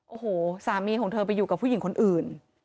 โอ้โหสามีของเธอไปอยู่กับผู้หญิงคนอื่น